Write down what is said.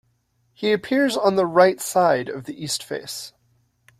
He appears on the right side of the east face.